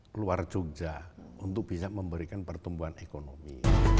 keluar jogja untuk bisa memberikan pertumbuhan ekonomi